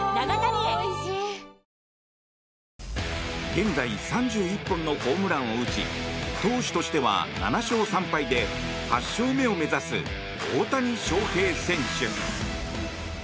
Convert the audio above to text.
現在３１本のホームランを打ち投手としては７勝３敗で８勝目を目指す大谷翔平選手。